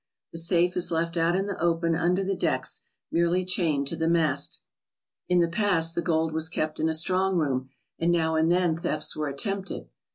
The safe is left out in the open under the decks, merely chained to the mast. In the past the gold was kept in a strong room, and now and then thefts were attempted.